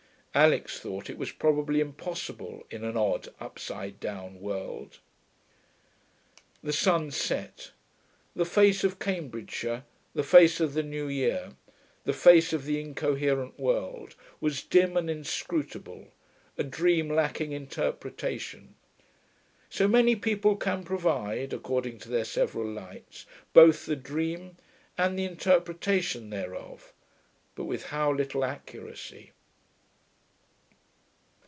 Alix thought it was probably impossible, in an odd, upside down world. The sun set. The face of Cambridgeshire, the face of the new year, the face of the incoherent world, was dim and inscrutable, a dream lacking interpretation. So many people can provide, according to their several lights, both the dream and the interpretation thereof, but with how little accuracy!